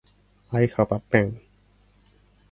I have a pen.